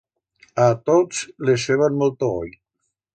A tots les feban molto goi.